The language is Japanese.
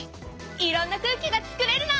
いろんな空気がつくれるの！